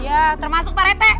iya termasuk pak rethe